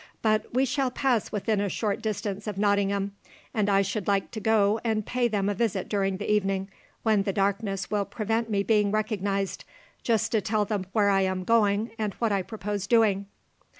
"But we shall pass within a short distance of Nottingham, and I should like to go and pay them a visit during the evening, when the darkness will prevent me being recognised, just to tell them where I am going, and what I propose doing."